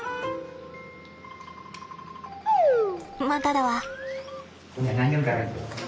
まただわ。